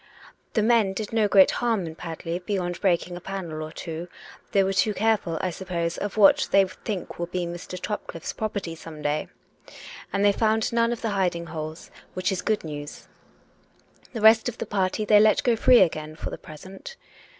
The men did no great harm in Padley beyond breaking a panel or two: they were too careful, I suppose, of what they think will be Mr. Topcliffe's property some day ! And they found none of the hiding holes, which is good news. The rest of the party they let go free again for the present.